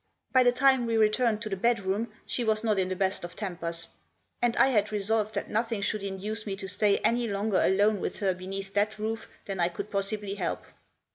By the time we returned to the bedroom she was not in the best of tempers. And I had resolved that nothing should induce me to stay any longer alone with her beneath that roof than I could possibly help.